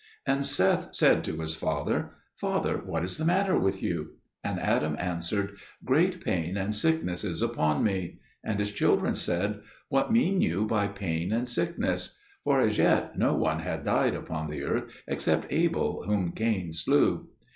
And Seth said to his father, "Father, what is the matter with you?" And Adam answered, "Great pain and sickness is upon me." And his children said, "What mean you by pain and sickness?" For as yet no one had died upon the earth except Abel, whom Cain slew.